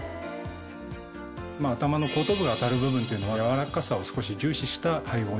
頭の後頭部が当たる部分っていうのは柔らかさを少し重視した配合に。